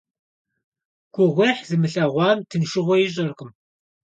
Гугъуехь зымылъэгъуам тыншыгъуэ ищӀэркъым.